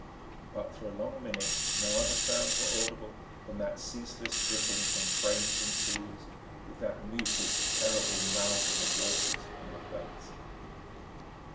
But through a long minute no other sounds were audible than that ceaseless dripping from frames and seams, with that muted, terrible mouthing of waters on the plates.